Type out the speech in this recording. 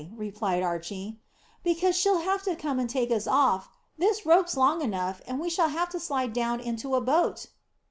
replied Archy. "Because she'll have to come and take us off. This rope's long enough, and we shall have to slide down into a boat."